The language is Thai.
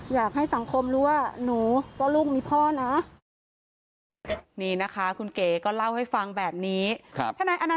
อยากให้สังคมรู้ว่าหนูก็ลูกมีพ่อนะ